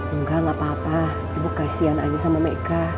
enggak enggak apa apa ibu kasihan aja sama meka